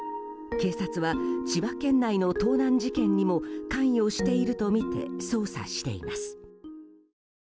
警察は千葉県内の盗難事件にも関与しているとみて捜査しています。